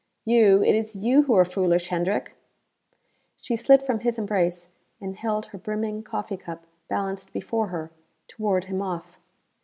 "You it is you who are foolish, Hendrick." She slid from his embrace and held her brimming coffee cup balanced before her, to ward him off.